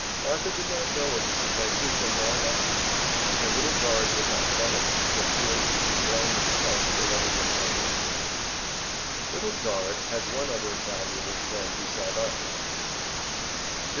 Arthur did not know of this adventure till long afterward, for Little Dorrit would not tell him for fear he should blame himself for letting them go home alone. Little Dorrit had one other valuable friend beside Arthur at this time.